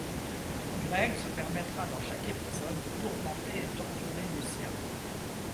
Greg se permettra dans chaque épisode de tourmenter et torturer Lucien.